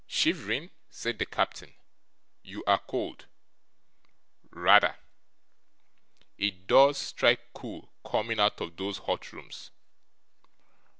'Shivering?' said the captain. 'You are cold.' 'Rather.' 'It does strike cool, coming out of those hot rooms.